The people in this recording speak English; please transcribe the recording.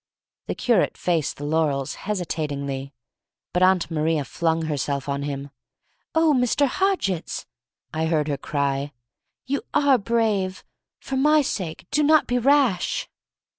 The curate faced the laurels hesitatingly. But Aunt Maria flung herself on him. "O Mr. Hodgitts!" I heard her cry, "you are brave! for my sake do not be rash!"